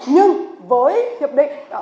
nhưng với hiệp định